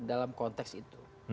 dalam konteks itu